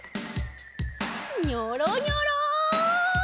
ニョロニョロ。